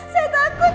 saya takut pak